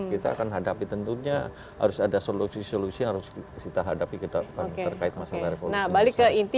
kita akan hadapi tentunya harus ada solusi solusi yang harus kita hadapi ke depan terkait masalah revolusi